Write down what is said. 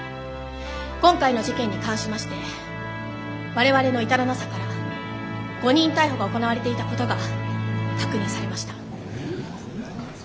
今回の事件に関しまして我々の至らなさから誤認逮捕が行われていたことが確認されました。